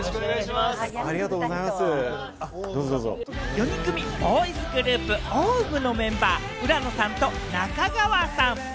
４人組ボーイズグループ・ＯＷＶのメンバー、浦野さんと中川さん。